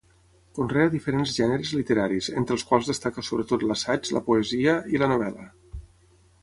Conrea diferents gèneres literaris entre els quals destaca sobretot l'assaig, la poesia i la novel·la.